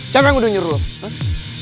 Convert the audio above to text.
siapa yang udah nyuruh loh